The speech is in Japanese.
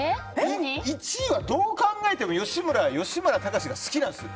１位は、どう考えても吉村崇が好きなんです。